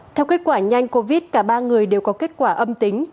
theo kết quả nhanh covid cả ba người đều có kết quả âm tính